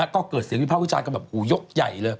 ก็เกิดเสียงวิพาควิชากระบะบับกูยกใหญ่